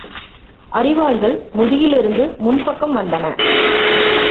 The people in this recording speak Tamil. அரிவாள்கள் முதுகிலிருந்து முன்பக்கம் வந்தன.